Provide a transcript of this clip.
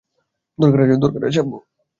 দরকার আছে আব্বু!